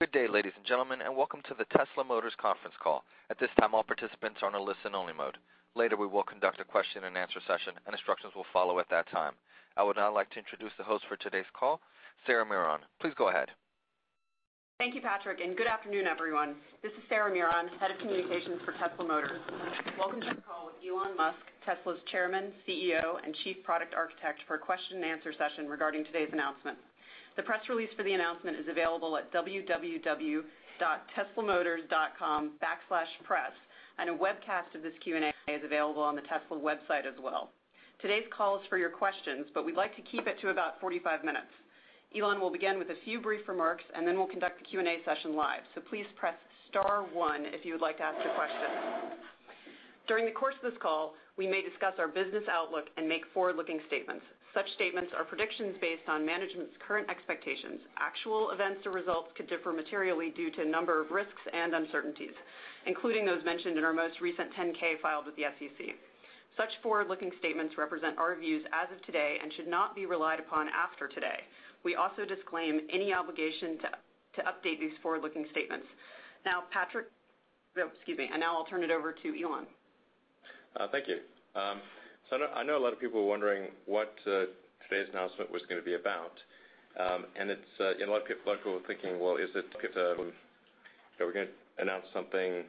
Good day, ladies and gentlemen, and welcome to the Tesla, Inc. conference call. At this time, all participants are on a listen only mode. Later, we will conduct a question and answer session, and instructions will follow at that time. I would now like to introduce the host for today's call, Shanna Hendriks. Please go ahead. Thank you, Patrick, and good afternoon, everyone. This is Shanna Hendriks, Head of Communications for Tesla, Inc.. Welcome to the call with Elon Musk, Tesla's Chairman, CEO, and Chief Product Architect, for a question and answer session regarding today's announcement. The press release for the announcement is available at www.teslamotors.com/press, and a webcast of this Q&A is available on the Tesla website as well. Today's call is for your questions, but we'd like to keep it to about 45 minutes. Elon will begin with a few brief remarks, then we'll conduct the Q&A session live. Please press star one if you would like to ask a question. During the course of this call, we may discuss our business outlook and make forward-looking statements. Such statements are predictions based on management's current expectations. Actual events or results could differ materially due to a number of risks and uncertainties, including those mentioned in our most recent 10-K filed with the SEC. Such forward-looking statements represent our views as of today and should not be relied upon after today. We also disclaim any obligation to update these forward-looking statements. Excuse me, I'll turn it over to Elon. Thank you. I know a lot of people were wondering what today's announcement was going to be about. A lot of people were thinking, well, are we going to announce something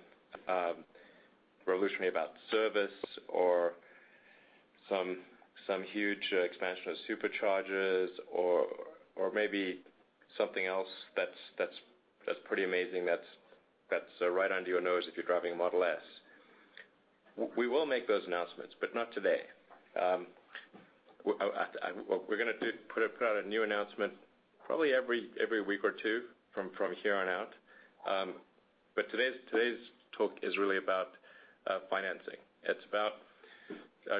revolutionary about service or some huge expansion of Supercharger or maybe something else that's pretty amazing, that's right under your nose if you're driving a Model S. We will make those announcements, but not today. We're going to put out a new announcement probably every week or two from here on out. Today's talk is really about financing. It's about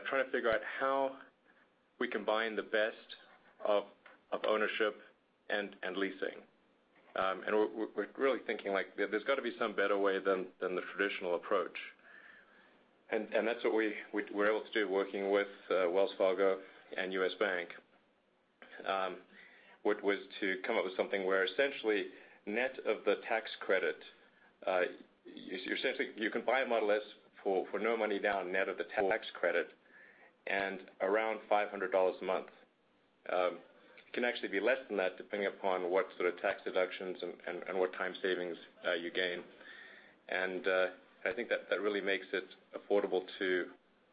trying to figure out how we combine the best of ownership and leasing. We're really thinking there's got to be some better way than the traditional approach. That's what we were able to do working with Wells Fargo and U.S. Bank. Bank was to come up with something where essentially net of the tax credit, you can buy a Model S for no money down net of the tax credit and around $500 a month. It can actually be less than that depending upon what sort of tax deductions and what time savings you gain. I think that really makes it affordable to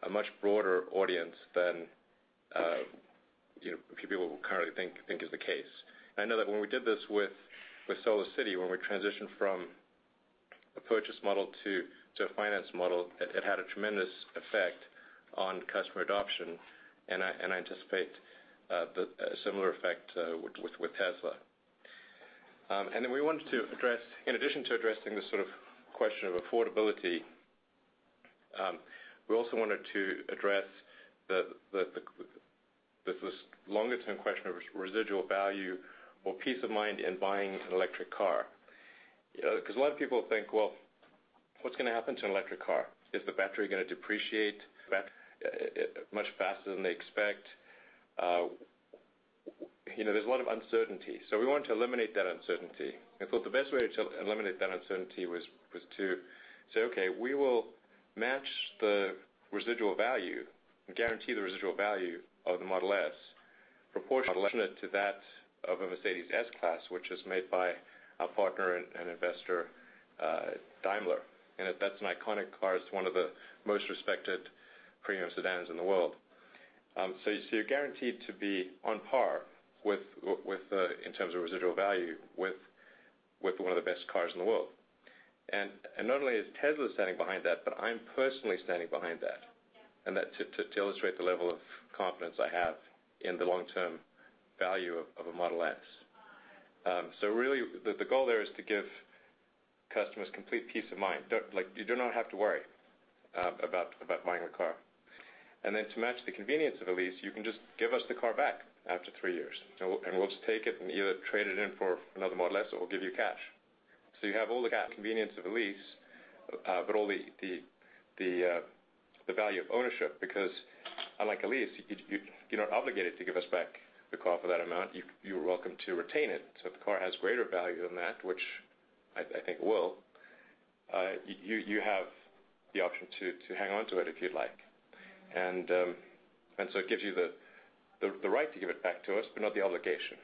a much broader audience than people currently think is the case. I know that when we did this with SolarCity, when we transitioned from a purchase model to a finance model, it had a tremendous effect on customer adoption, and I anticipate a similar effect with Tesla. In addition to addressing this sort of question of affordability, we also wanted to address this longer-term question of residual value or peace of mind in buying an electric car. A lot of people think, well, what's going to happen to an electric car? Is the battery going to depreciate much faster than they expect? There's a lot of uncertainty. We wanted to eliminate that uncertainty, and we thought the best way to eliminate that uncertainty was to say, okay, we will match the residual value and guarantee the residual value of the Model S proportionate to that of a Mercedes-Benz S-Class, which is made by our partner and investor, Daimler. That's an iconic car. It's one of the most respected premium sedans in the world. You're guaranteed to be on par in terms of residual value with one of the best cars in the world. Not only is Tesla standing behind that, but I'm personally standing behind that to illustrate the level of confidence I have in the long-term value of a Model S. Really, the goal there is to give customers complete peace of mind. You do not have to worry about buying a car. To match the convenience of a lease, you can just give us the car back after three years, and we'll just take it and either trade it in for another Model S or we'll give you cash. You have all the convenience of a lease, but all the value of ownership, because unlike a lease, you're not obligated to give us back the car for that amount. You are welcome to retain it. If the car has greater value than that, which I think it will, you have the option to hang on to it if you'd like. It gives you the right to give it back to us, but not the obligation.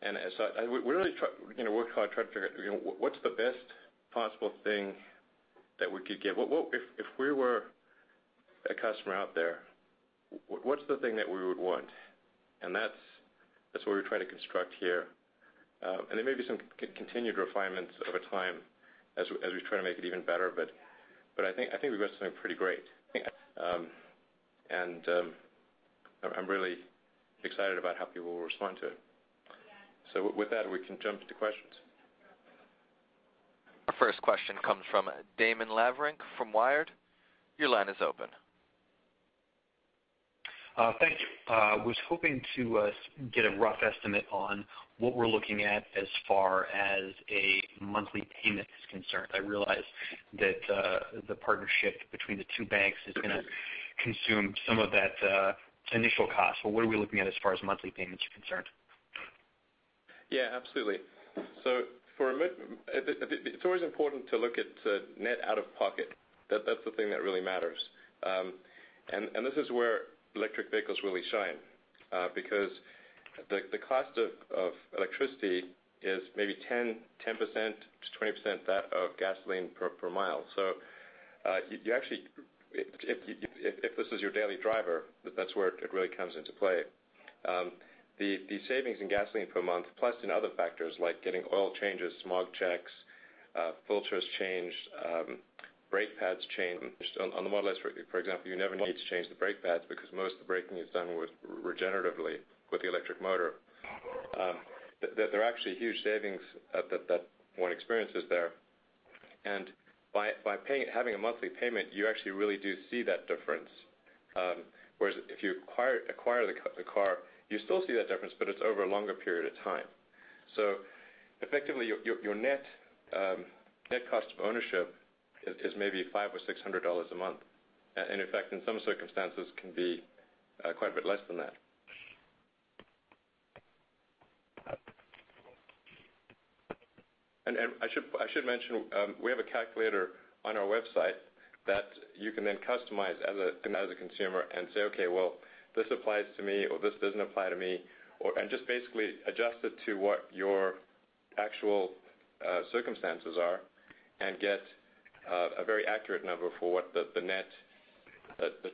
We really tried to figure out what's the best possible thing that we could give. If we were a customer out there, what's the thing that we would want? That's what we're trying to construct here. There may be some continued refinements over time as we try to make it even better, but I think we've got something pretty great. I'm really excited about how people will respond to it. With that, we can jump to questions. Our first question comes from Damon Lavrinc from Wired. Your line is open. Thank you. I was hoping to get a rough estimate on what we're looking at as far as a monthly payment is concerned. I realize that the partnership between the two banks is going to- consume some of that initial cost? What are we looking at as far as monthly payments are concerned? Yeah, absolutely. It's always important to look at net out-of-pocket. That's the thing that really matters. This is where electric vehicles really shine because the cost of electricity is maybe 10%-20% that of gasoline per mile. If this is your daily driver, that's where it really comes into play. The savings in gasoline per month, plus in other factors like getting oil changes, smog checks, filters changed, brake pads changed. On the Model S, for example, you never need to change the brake pads because most of the braking is done regeneratively with the electric motor. There are actually huge savings that one experiences there. By having a monthly payment, you actually really do see that difference. Whereas if you acquire the car, you still see that difference, but it's over a longer period of time. Effectively, your net cost of ownership is maybe $500 or $600 a month. In fact, in some circumstances can be quite a bit less than that. I should mention, we have a calculator on our website that you can then customize as a consumer and say, "Okay, well, this applies to me, or this doesn't apply to me," and just basically adjust it to what your actual circumstances are and get a very accurate number for what the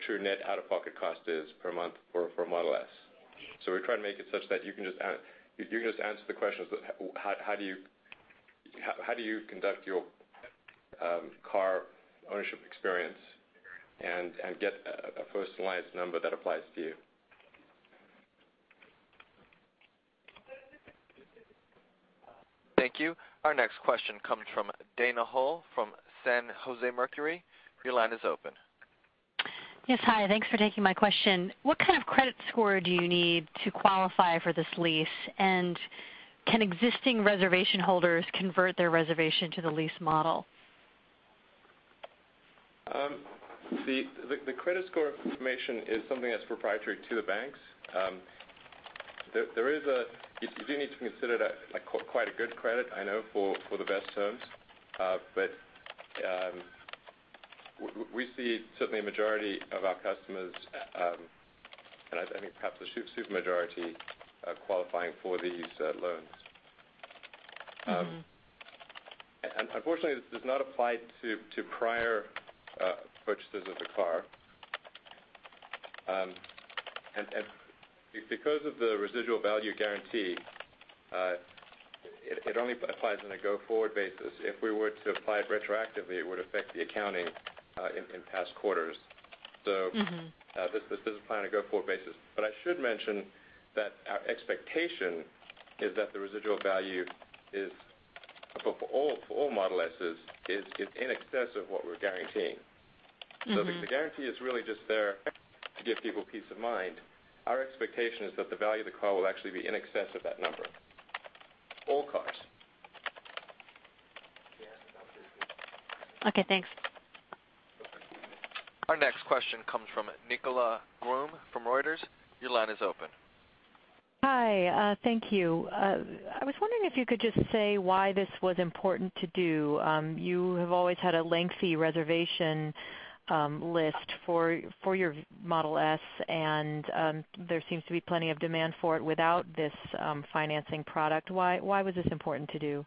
true net out-of-pocket cost is per month for a Model S. We try to make it such that you can just answer the questions, how do you conduct your car ownership experience, and get a personalized number that applies to you. Thank you. Our next question comes from Dana Hull from San Jose Mercury. Your line is open. Yes. Hi. Thanks for taking my question. What kind of credit score do you need to qualify for this lease? Can existing reservation holders convert their reservation to the lease model? The credit score information is something that's proprietary to the banks. You do need to consider that quite a good credit, I know, for the best terms. We see certainly a majority of our customers, and I think perhaps the super majority, qualifying for these loans. Unfortunately, this does not apply to prior purchases of the car. Because of the residual value guarantee, it only applies on a go-forward basis. If we were to apply it retroactively, it would affect the accounting in past quarters. This is applied on a go-forward basis. I should mention that our expectation is that the residual value for all Model S's is in excess of what we're guaranteeing. The guarantee is really just there to give people peace of mind. Our expectation is that the value of the car will actually be in excess of that number. All cars. Okay, thanks. Our next question comes from Nichola Groom from Reuters. Your line is open. Hi, thank you. I was wondering if you could just say why this was important to do. You have always had a lengthy reservation list for your Model S, and there seems to be plenty of demand for it without this financing product. Why was this important to do?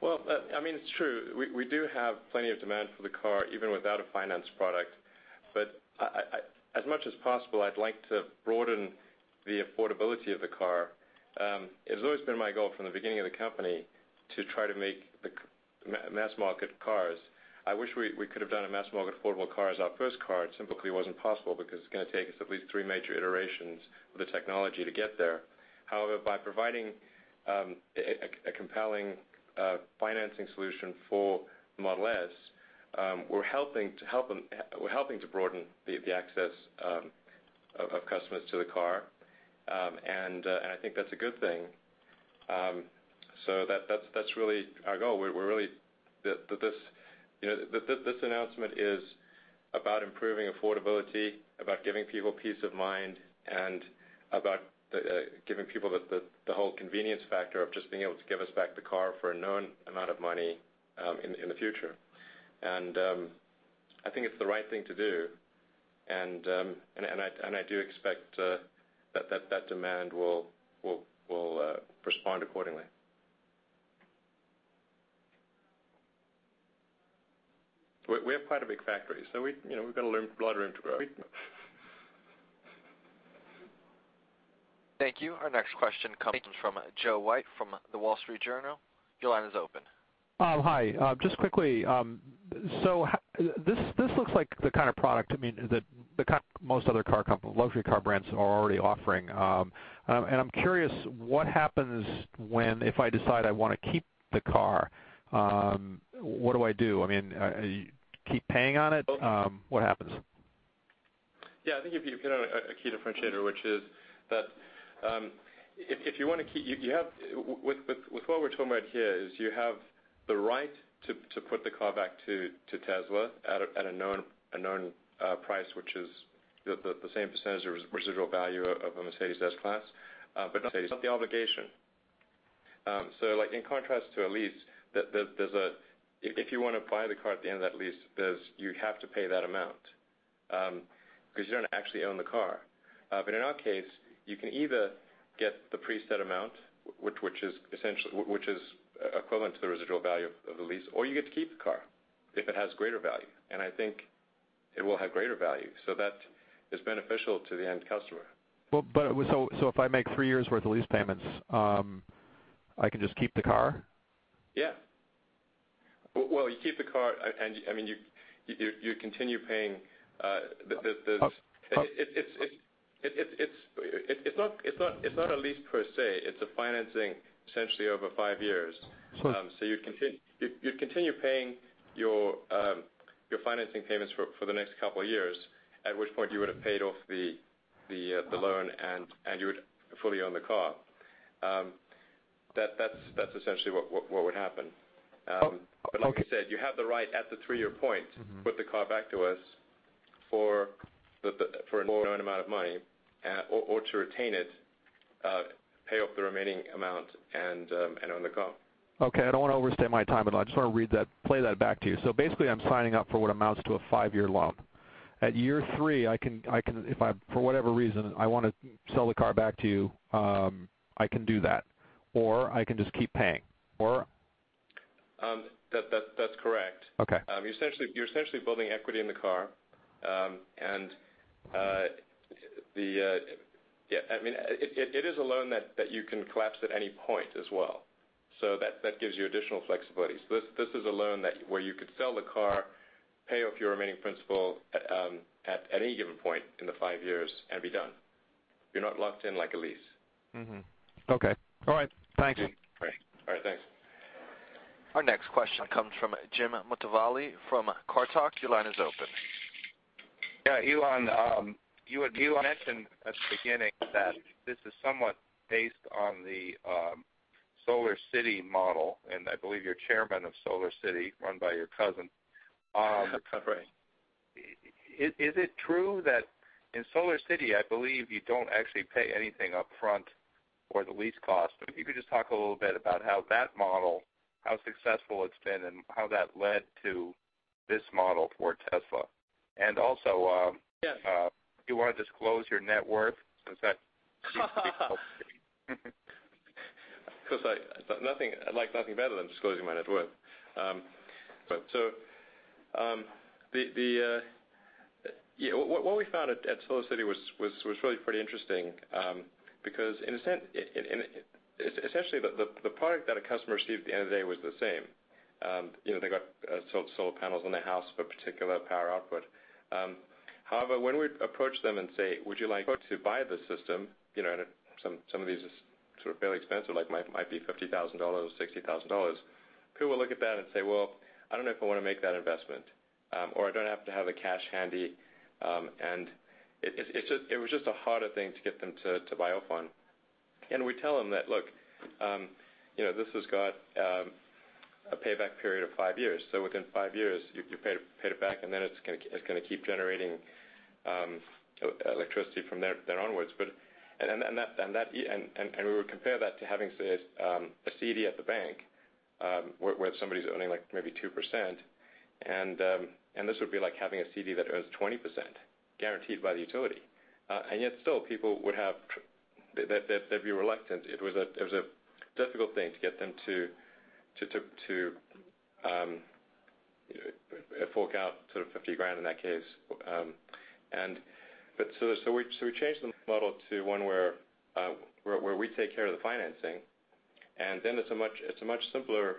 Well, it's true, we do have plenty of demand for the car, even without a finance product. As much as possible, I'd like to broaden the affordability of the car. It has always been my goal from the beginning of the company to try to make mass market cars. I wish we could have done a mass market affordable car as our first car. It simply wasn't possible because it's going to take us at least three major iterations of the technology to get there. However, by providing a compelling financing solution for Model S, we're helping to broaden the access of customers to the car, and I think that's a good thing. That's really our goal. This announcement is about improving affordability, about giving people peace of mind, and about giving people the whole convenience factor of just being able to give us back the car for a known amount of money in the future. I think it's the right thing to do, and I do expect that demand will respond accordingly. We have quite a big factory, so we've got a lot of room to grow. Thank you. Our next question comes from Joe White from The Wall Street Journal. Your line is open. Hi. Just quickly, this looks like the kind of product that most other luxury car brands are already offering. I'm curious, what happens if I decide I want to keep the car? What do I do? I keep paying on it? What happens? Yeah, I think you've hit on a key differentiator, which is that with what we're talking about here is you have the right to put the car back to Tesla at a known price, which is the same percentage of residual value of a Mercedes-Benz S-Class, but not the obligation. In contrast to a lease, if you want to buy the car at the end of that lease, you have to pay that amount, because you don't actually own the car. In our case, you can either get the preset amount, which is equivalent to the residual value of the lease, or you get to keep the car if it has greater value. I think it will have greater value. That is beneficial to the end customer. Well, if I make three years' worth of lease payments, I can just keep the car? Yeah. you keep the car and you continue paying the- Cost. It's not a lease per se. It's a financing essentially over five years. Sure. you'd continue paying your financing payments for the next couple of years, at which point you would have paid off the loan and you would fully own the car. That's essentially what would happen. like you said, you have the right at the three-year point- to put the car back to us for a known amount of money, or to retain it, pay off the remaining amount, and own the car. Okay. I don't want to overstay my time, but I just want to play that back to you. Basically, I'm signing up for what amounts to a five-year loan. At year three, if for whatever reason I want to sell the car back to you, I can do that, or I can just keep paying, or? That's correct. Okay. You're essentially building equity in the car. It is a loan that you can collapse at any point as well. That gives you additional flexibility. This is a loan where you could sell the car, pay off your remaining principal at any given point in the five years, and be done. You're not locked in like a lease. Mm-hmm. Okay. All right. Thanks. Great. All right, thanks. Our next question comes from Jim Motavalli from Car Talk. Your line is open. Yeah, Elon, you had mentioned at the beginning that this is somewhat based on the SolarCity model, and I believe you're Chairman of SolarCity, run by your cousin. Right. Is it true that in SolarCity, I believe you don't actually pay anything up front for the lease cost. If you could just talk a little bit about how that model, how successful it's been, and how that led to this model for Tesla. Yes Do you want to disclose your net worth since that seems to be public? Of course, I'd like nothing better than disclosing my net worth. What we found at SolarCity was really pretty interesting. Essentially, the product that a customer received at the end of the day was the same. They got solar panels on their house for a particular power output. However, when we approach them and say, "Would you like to buy this system?" Some of these are fairly expensive, might be $50,000 or $60,000. People will look at that and say, "Well, I don't know if I want to make that investment," or, "I don't happen to have the cash handy." It was just a harder thing to get them to bite upon. We tell them that, "Look, this has got a payback period of five years. Within five years, you've paid it back, then it's going to keep generating electricity from there onwards." We would compare that to having, say, a CD at the bank, where somebody's earning maybe 2%, and this would be like having a CD that earns 20%, guaranteed by the utility. Yet still people, they'd be reluctant. It was a difficult thing to get them to fork out sort of $50,000 in that case. We changed the model to one where we take care of the financing, then it's a much simpler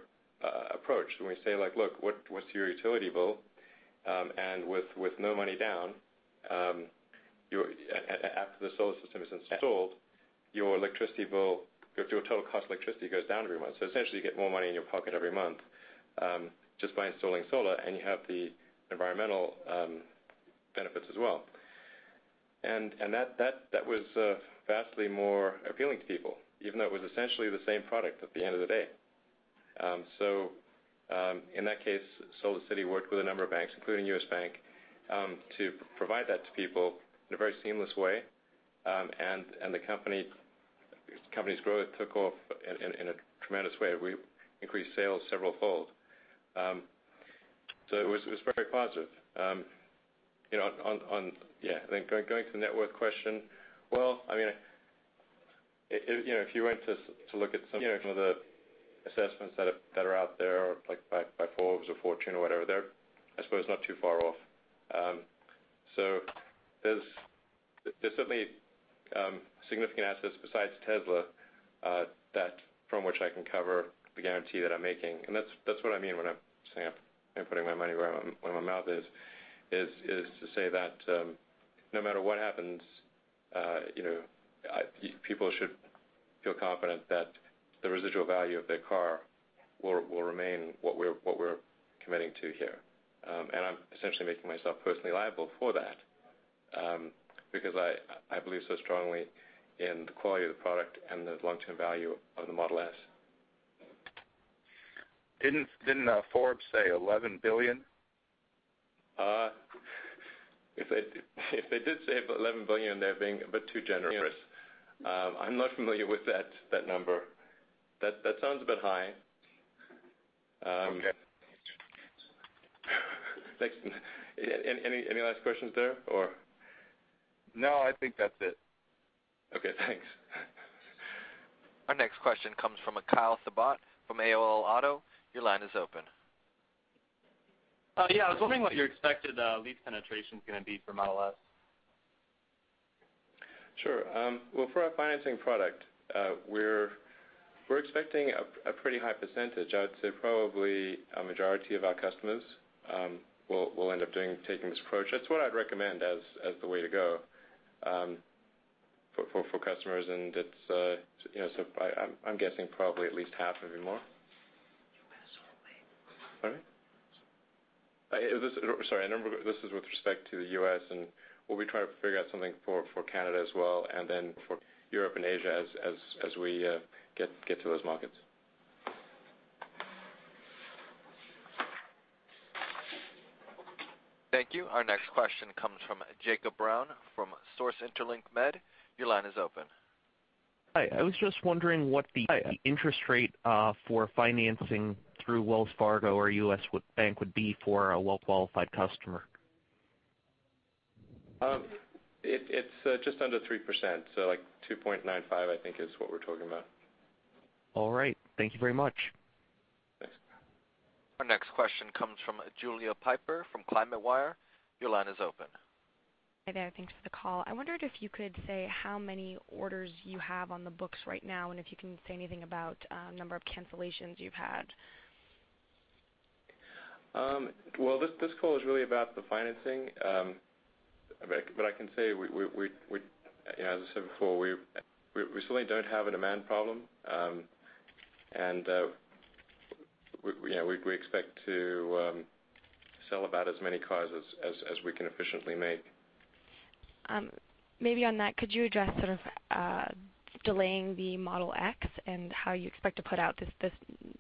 approach when we say, "Look, what's your utility bill? With no money down, after the solar system is installed, your total cost of electricity goes down every month. Essentially, you get more money in your pocket every month just by installing solar, you have the environmental benefits as well." That was vastly more appealing to people, even though it was essentially the same product at the end of the day. In that case, SolarCity worked with a number of banks, including U.S. Bank, to provide that to people in a very seamless way, the company's growth took off in a tremendous way. We increased sales severalfold. It was very positive. Going to the net worth question, well, if you went to look at some of the assessments that are out there by Forbes or Fortune or whatever, they're, I suppose, not too far off. There's certainly significant assets besides Tesla, from which I can cover the guarantee that I'm making. That's what I mean when I'm saying I'm putting my money where my mouth is to say that no matter what happens, people should feel confident that the residual value of their car will remain what we're committing to here. I'm essentially making myself personally liable for that, because I believe so strongly in the quality of the product and the long-term value of the Model S. Didn't Forbes say $11 billion? If they did say $11 billion, they're being a bit too generous. I'm not familiar with that number. That sounds a bit high. Okay. Any last questions there? No, I think that's it. Okay, thanks. Our next question comes from Kyle Sabott from AOL Autos. Your line is open. I was wondering what your expected lease penetration's going to be for Model S. Sure. Well, for our financing product, we're expecting a pretty high percentage. I would say probably a majority of our customers will end up taking this approach. That's what I'd recommend as the way to go for customers, and I'm guessing probably at least half, maybe more. U.S. only. Pardon me? Sorry, this is with respect to the U.S. We'll be trying to figure out something for Canada as well. For Europe and Asia as we get to those markets. Thank you. Our next question comes from Jacob Brown from Source Interlink Media. Your line is open. Hi. I was just wondering what the interest rate for financing through Wells Fargo or U.S. Bank would be for a well-qualified customer. It's just under 3%, so like 2.95, I think is what we're talking about. All right. Thank you very much. Thanks. Our next question comes from Julia Pyper from ClimateWire. Your line is open. Hi there. Thanks for the call. I wondered if you could say how many orders you have on the books right now, and if you can say anything about number of cancellations you've had. Well, this call is really about the financing. I can say, as I said before, we certainly don't have a demand problem. We expect to sell about as many cars as we can efficiently make. Maybe on that, could you address sort of delaying the Model X and how you expect to put out this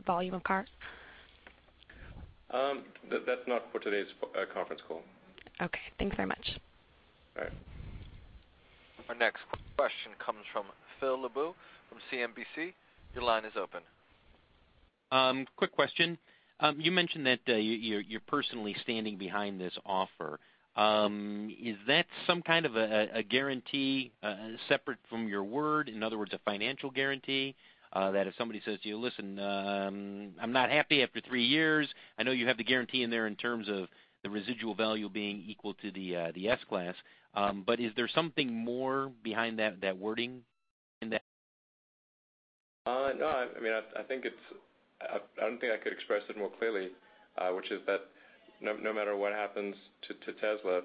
volume of cars? That's not for today's conference call. Okay, thanks very much. All right. Our next question comes from Phil LeBeau from CNBC. Your line is open. Quick question. You mentioned that you're personally standing behind this offer. Is that some kind of a guarantee separate from your word? In other words, a financial guarantee that if somebody says to you, "Listen, I'm not happy after three years." I know you have the guarantee in there in terms of the residual value being equal to the S-Class. But is there something more behind that wording in that? No. I don't think I could express it more clearly, which is that no matter what happens to Tesla,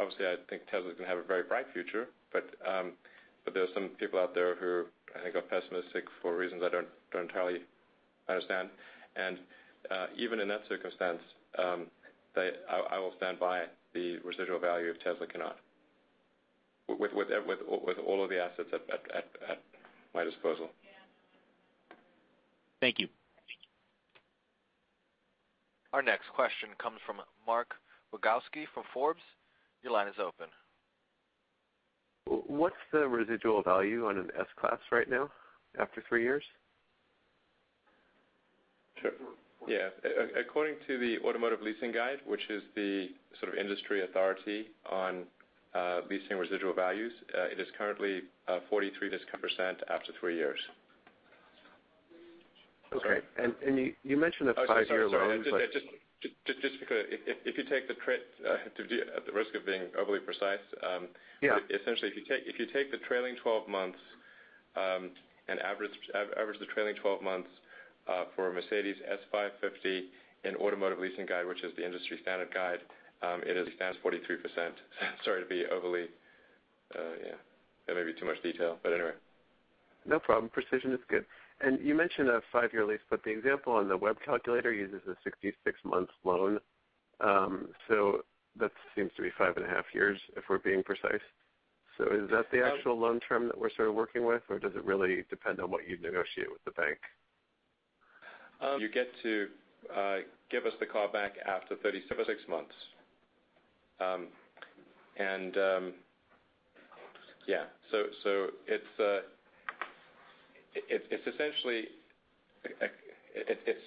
obviously I think Tesla's going to have a very bright future. There are some people out there who I think are pessimistic for reasons I don't entirely understand. Even in that circumstance, I will stand by the residual value of Tesla cannot, with all of the assets at my disposal. Thank you. Our next question comes from Mark Rogowsky from Forbes. Your line is open. What's the residual value on an S-Class right now after three years? Sure. Yeah. According to the Automotive Lease Guide, which is the sort of industry authority on leasing residual values, it is currently 43% after three years. Okay. You mentioned a five-year loan. Sorry. Just because at the risk of being overly precise. Yeah Essentially, if you take the trailing 12 months and average the trailing 12 months for a Mercedes-Benz S550 in Automotive Lease Guide, which is the industry standard guide, it stands 43%. That may be too much detail, but anyway. No problem. Precision is good. You mentioned a five-year lease, but the example on the web calculator uses a 66-month loan. That seems to be five and a half years if we're being precise. Is that the actual loan term that we're sort of working with, or does it really depend on what you negotiate with the bank? You get to give us the car back after 36 months.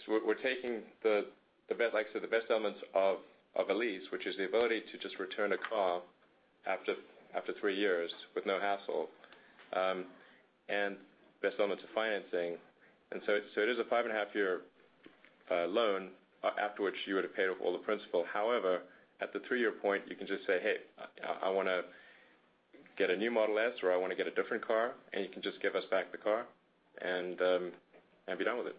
We're taking the best elements of a lease, which is the ability to just return a car after three years with no hassle, and best elements of financing. It is a five-and-a-half year loan, after which you would have paid off all the principal. However, at the three-year point, you can just say, "Hey, I want to get a new Model S," or, "I want to get a different car," and you can just give us back the car and be done with it.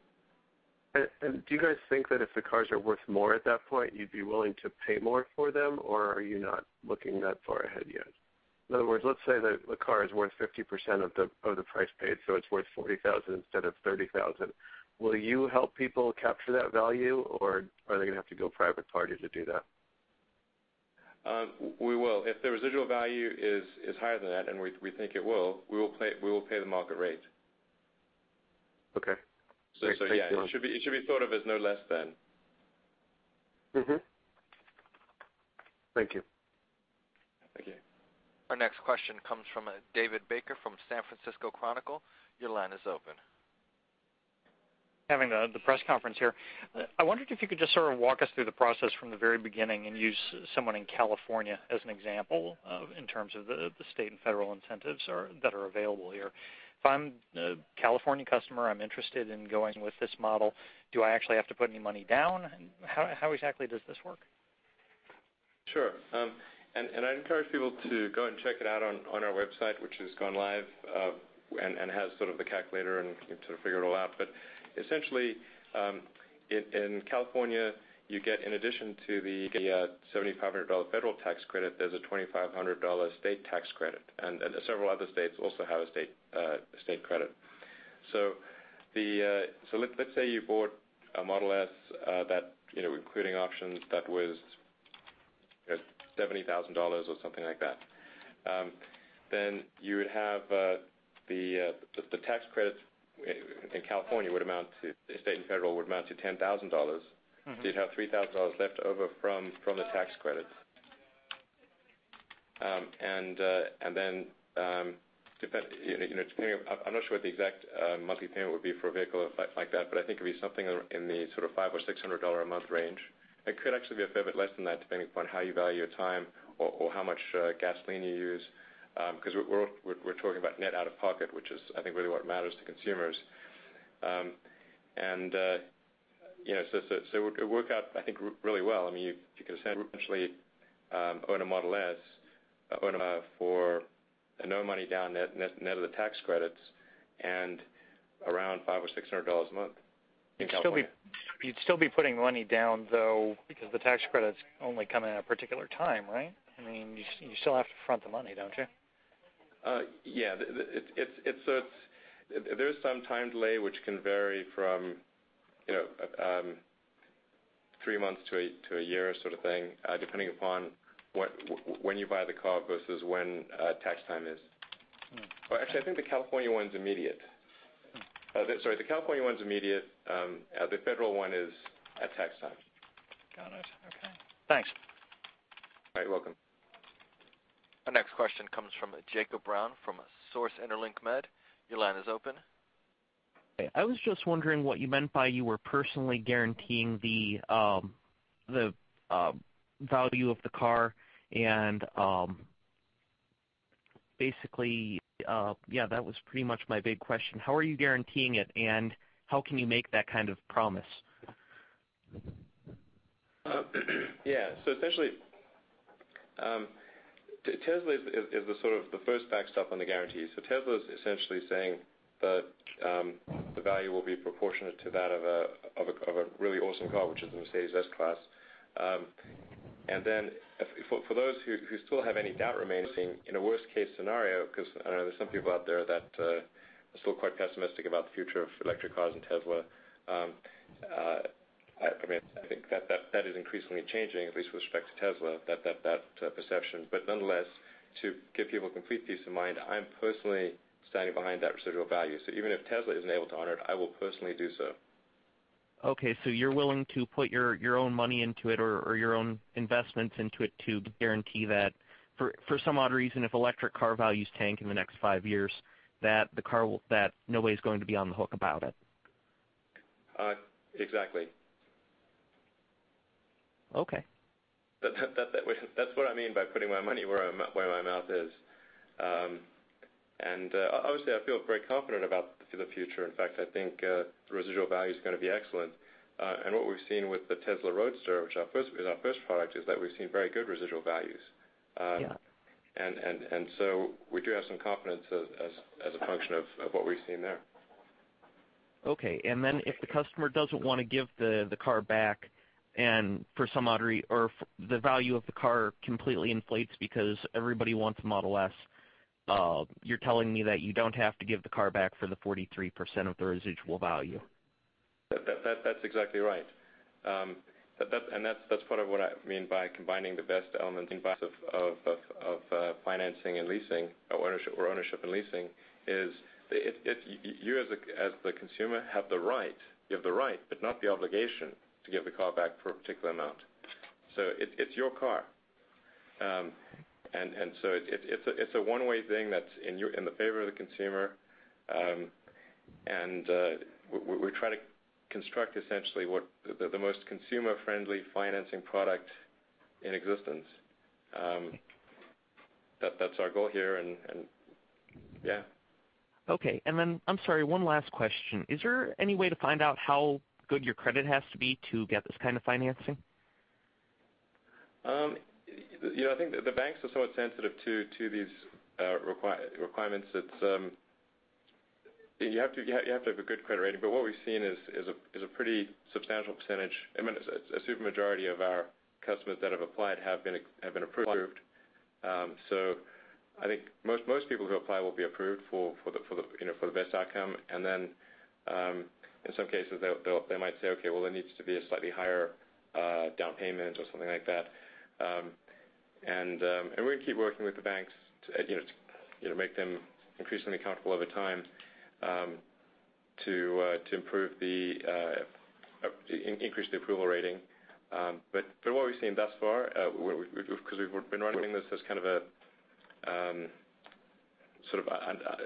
Do you guys think that if the cars are worth more at that point, you'd be willing to pay more for them, or are you not looking that far ahead yet? In other words, let's say that the car is worth 50% of the price paid, so it's worth $40,000 instead of $30,000. Will you help people capture that value, or are they going to have to go private party to do that? We will. If the residual value is higher than that, and we think it will, we will pay the market rate. Okay. Great. Thanks a lot. Yeah, it should be thought of as no less than. Thank you. Thank you. Our next question comes from David Baker from "San Francisco Chronicle." Your line is open. Having the press conference here, I wondered if you could just sort of walk us through the process from the very beginning and use someone in California as an example in terms of the state and federal incentives that are available here. If I'm a California customer, I'm interested in going with this model, do I actually have to put any money down? How exactly does this work? Sure. I encourage people to go and check it out on our website, which has gone live, and has sort of the calculator and you can sort of figure it all out. Essentially, in California, you get, in addition to the $7,500 federal tax credit, there's a $2,500 state tax credit, and several other states also have a state credit. Let's say you bought a Model S, including options, that was $70,000 or something like that. You would have the tax credits in California, state and federal, would amount to $10,000. You'd have $3,000 left over from the tax credits. I'm not sure what the exact monthly payment would be for a vehicle like that, but I think it'd be something in the sort of $500 or $600 a month range. It could actually be a fair bit less than that, depending upon how you value your time or how much gasoline you use, because we're talking about net out-of-pocket, which is, I think, really what matters to consumers. It would work out, I think, really well. You could essentially own a Model S for no money down net of the tax credits and around $500 or $600 a month in California. You'd still be putting money down, though, because the tax credits only come in at a particular time, right? You still have to front the money, don't you? Yeah. There is some time delay, which can vary from three months to a year sort of thing, depending upon when you buy the car versus when tax time is. Actually, I think the California one's immediate. Sorry, the California one's immediate. The federal one is at tax time. Got it. Okay. Thanks. All right, you're welcome. Our next question comes from Jacob Brown from Source Interlink Media. Your line is open. I was just wondering what you meant by you were personally guaranteeing the value of the car and basically, yeah, that was pretty much my big question. How are you guaranteeing it, and how can you make that kind of promise? Essentially, Tesla is the sort of first backstop on the guarantee. Tesla's essentially saying that the value will be proportionate to that of a really awesome car, which is the Mercedes-Benz S-Class. Then for those who still have any doubt remaining in a worst-case scenario, because I know there's some people out there that are still quite pessimistic about the future of electric cars and Tesla. I think that is increasingly changing, at least with respect to Tesla, that perception. Nonetheless, to give people complete peace of mind, I'm personally standing behind that residual value. Even if Tesla isn't able to honor it, I will personally do so. Okay, you're willing to put your own money into it or your own investments into it to guarantee that for some odd reason, if electric car values tank in the next five years, that no way's going to be on the hook about it? Exactly. Okay. That's what I mean by putting my money where my mouth is. Obviously, I feel very confident about the future. In fact, I think the residual value is going to be excellent. What we've seen with the Tesla Roadster, which was our first product, is that we've seen very good residual values. Yeah. We do have some confidence as a function of what we've seen there. Okay, if the customer doesn't want to give the car back, or the value of the car completely inflates because everybody wants a Model S, you're telling me that you don't have to give the car back for the 43% of the residual value? That's exactly right. That's part of what I mean by combining the best elements of financing and leasing or ownership and leasing, is you as the consumer have the right, but not the obligation to give the car back for a particular amount. It's your car. It's a one-way thing that's in the favor of the consumer. We try to construct essentially the most consumer-friendly financing product in existence. That's our goal here. I'm sorry, one last question. Is there any way to find out how good your credit has to be to get this kind of financing? I think the banks are somewhat sensitive to these requirements. You have to have a good credit rating, but what we've seen is a pretty substantial percentage, a super majority of our customers that have applied have been approved. I think most people who apply will be approved for the best outcome, and then in some cases, they might say, "Okay, well, there needs to be a slightly higher down payment," or something like that. We're going to keep working with the banks to make them increasingly comfortable over time to increase the approval rating. From what we've seen thus far, because we've been running this as sort of a, I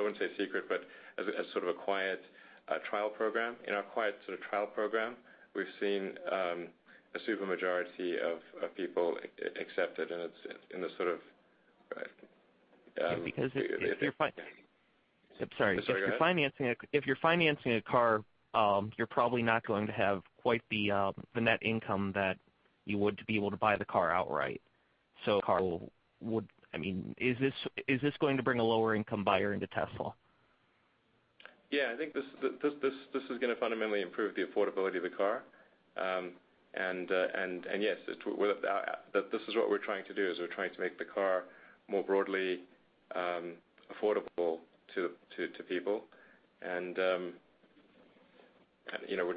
wouldn't say secret, but as a quiet trial program. In our quiet sort of trial program, we've seen a super majority of people accepted. Because if. Sorry, go ahead. If you're financing a car, you're probably not going to have quite the net income that you would to be able to buy the car outright. Is this going to bring a lower-income buyer into Tesla? Yeah, I think this is going to fundamentally improve the affordability of the car. Yes, this is what we're trying to do, is we're trying to make the car more broadly affordable to people. We're going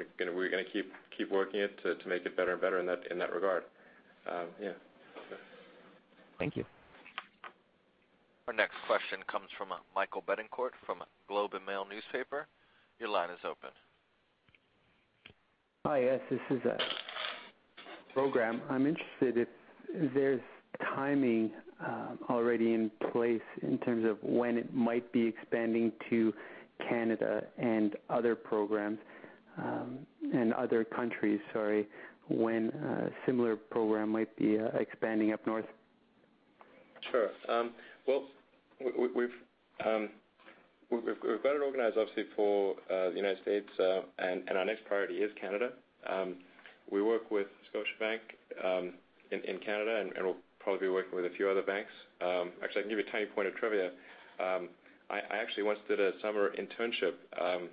to keep working it to make it better and better in that regard. Yeah. Thank you. Our next question comes from Michael Bettencourt from The Globe and Mail. Your line is open. Hi, yes, this is a program. I'm interested if there's timing already in place in terms of when it might be expanding to Canada and other countries, when a similar program might be expanding up north. Sure. Well, we've got it organized, obviously, for the United States, our next priority is Canada. We work with Scotiabank in Canada, we'll probably be working with a few other banks. Actually, I can give you a tiny point of trivia. I actually once did a summer internship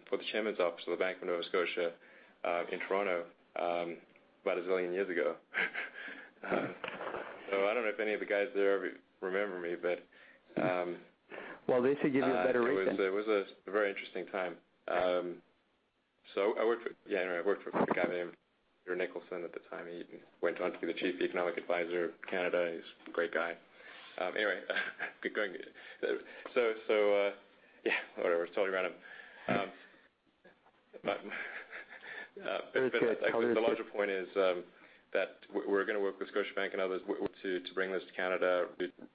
for the chairman's office of the Bank of Nova Scotia in Toronto about a zillion years ago. I don't know if any of the guys there remember me. Well, they should give you a better rate then It was a very interesting time. I worked for a guy named Peter Nicholson at the time. He went on to be the chief economic advisor of Canada. He's a great guy. Anyway, whatever, it's totally random. The larger point is that we're going to work with Scotiabank and others to bring this to Canada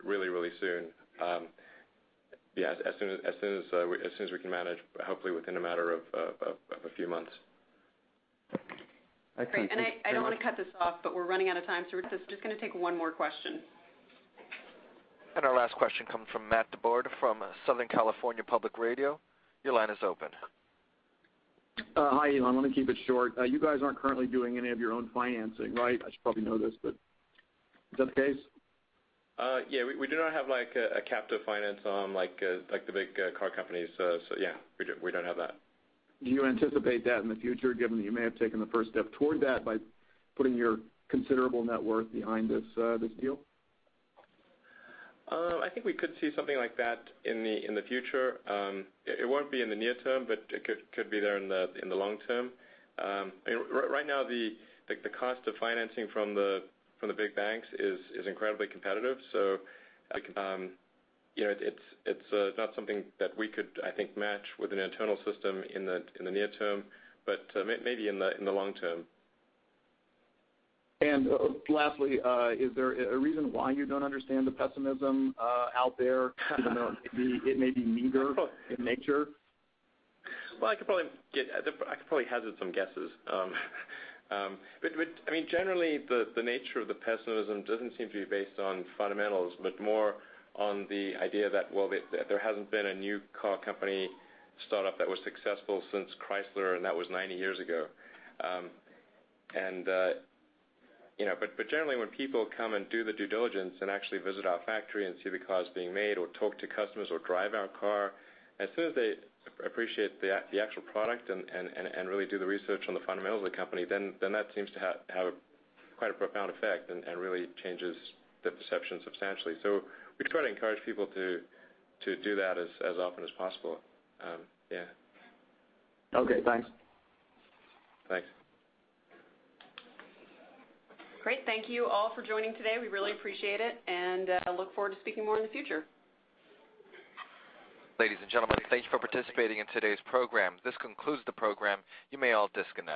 really soon. As soon as we can manage, hopefully within a matter of a few months. Thank you. Great. I don't want to cut this off, but we're running out of time, so we're just going to take one more question. Our last question comes from Matt DeBord from Southern California Public Radio. Your line is open. Hi, Elon. Let me keep it short. You guys aren't currently doing any of your own financing, right? I should probably know this. Is that the case? Yeah, we do not have a captive finance arm like the big car companies. Yeah, we don't have that. Do you anticipate that in the future, given that you may have taken the first step toward that by putting your considerable net worth behind this deal? I think we could see something like that in the future. It won't be in the near term. It could be there in the long term. Right now, the cost of financing from the big banks is incredibly competitive. It's not something that we could, I think, match with an internal system in the near term. Maybe in the long term. lastly, is there a reason why you don't understand the pessimism out there even though it may be meager in nature? Well, I could probably hazard some guesses. Generally, the nature of the pessimism doesn't seem to be based on fundamentals, but more on the idea that, well, there hasn't been a new car company startup that was successful since Chrysler, and that was 90 years ago. Generally, when people come and do the due diligence and actually visit our factory and see the cars being made or talk to customers or drive our car, as soon as they appreciate the actual product and really do the research on the fundamentals of the company, then that seems to have quite a profound effect and really changes the perception substantially. We try to encourage people to do that as often as possible. Yeah. Okay, thanks. Thanks. Great. Thank you all for joining today. We really appreciate it, and look forward to speaking more in the future. Ladies and gentlemen, thank you for participating in today's program. This concludes the program. You may all disconnect.